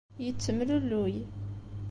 Yettemlelluy.